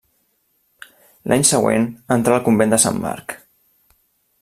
L'any següent entrà al convent de Sant Marc.